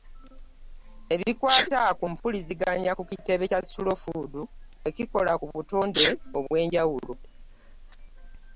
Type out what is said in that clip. Ebikwata ku mpuliziganya ku kitebe kya Slow Food ekikola ku butonde obwenjawulo.